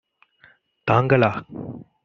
தாங்களா?